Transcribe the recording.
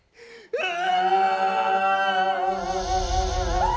うわ！